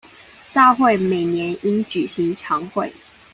大會每年應舉行常會